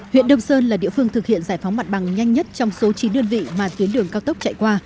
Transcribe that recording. huyện đông sơn là địa phương thực hiện giải phóng mặt bằng nhanh nhất trong số chín đơn vị mà tuyến đường cao tốc chạy qua